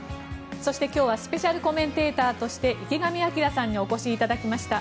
そして、今日はスペシャルコメンテーターとして池上彰さんにお越しいただきました。